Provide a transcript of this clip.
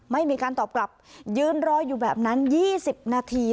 ไม่มีการตอบกลับยืนรออยู่แบบนั้น๒๐นาที